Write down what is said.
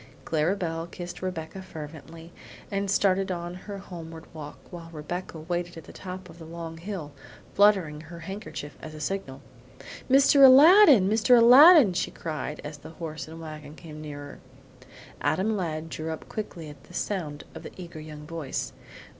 Clara Belle kissed Rebecca fervently, and started on her homeward walk, while Rebecca waited at the top of the long hill, fluttering her handkerchief as a signal. "Mr. Aladdin! Mr. Aladdin!" she cried, as the horse and wagon came nearer. Adam Ladd drew up quickly at the sound of the eager young voice.